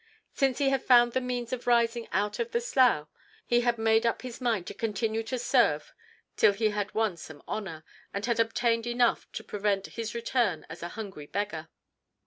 Since he had found the means of rising out of the slough, he had made up his mind to continue to serve till he had won some honour, and had obtained enough to prevent his return as a hungry beggar.